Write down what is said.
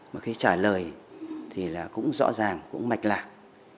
mà khi trả lời thì là cũng rõ ràng cũng mạch lạc